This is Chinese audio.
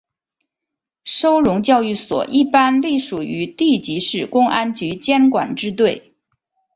收容教育所一般隶属于地级市公安局监管支队。